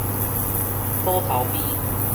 虎頭埤